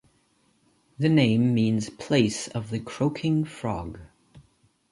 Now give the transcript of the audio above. The name means 'place of the croaking frog'.